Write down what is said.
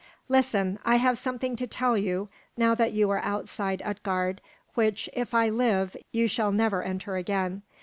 Listen, I have somewhat to tell you, now that you are outside Utgard, which, if I live, you shall never enter again.